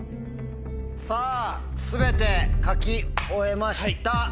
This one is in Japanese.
さぁ全て書き終えました。